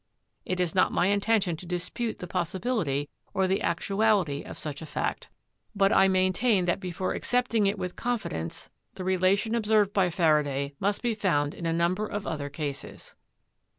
It is not my intention to dispute the possibility or the actuality of such a fact, but I maintain 224 CHEMISTRY that before accepting it with confidence the relation ob served by Faraday must be found in a number of other cases."